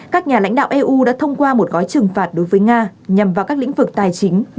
các nhà lãnh đạo eu đã thông qua một gói trừng phạt đối với nga nhằm vào các lĩnh vực tài chính